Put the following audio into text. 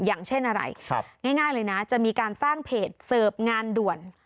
อย่างเช่นอะไรง่ายเลยนะจะมีการสร้างเพจเสิร์ฟงานด่วน